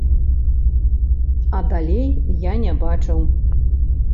А далей я не бачыў.